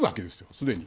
すでに。